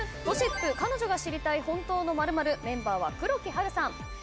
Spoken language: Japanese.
『ゴシップ＃彼女が知りたい本当の○○』メンバーは黒木華さん